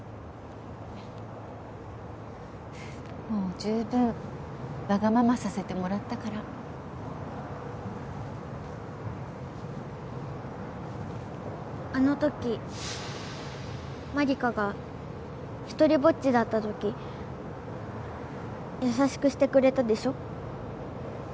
もう十分わがままさせてもらったからあの時万理華が独りぼっちだった時優しくしてくれたでしょ？